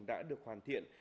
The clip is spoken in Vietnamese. đã được hoàn thiện